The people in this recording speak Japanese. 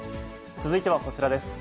続いてはこちらです。